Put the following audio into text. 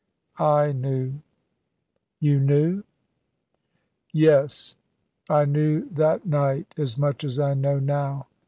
"I knew." "You knew?" "Yes, I knew that night as much as I know now.